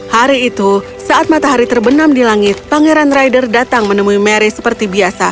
hari itu saat matahari terbenam di langit pangeran rider datang menemui mary seperti biasa